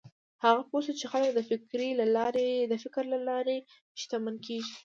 هغه پوه شو چې خلک د فکر له لارې شتمن کېږي.